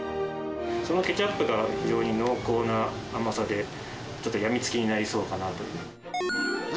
そのケチャップが非常に濃厚な甘さで、ちょっと病みつきになりそうかなという。